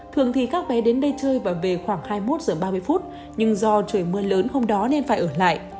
thường thì các bé đến đây chơi và về khoảng hai mươi một h ba mươi nhưng do trời mưa lớn hôm đó nên phải ở lại